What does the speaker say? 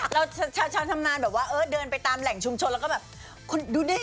เราชาวทำงานแบบว่าเออเดินไปตามแหล่งชุมชนแล้วก็แบบคุณดูดิ